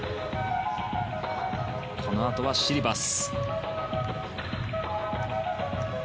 このあとは、シリバス。